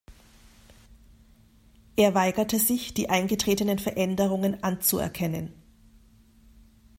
Er weigerte sich, die eingetretenen Veränderungen anzuerkennen.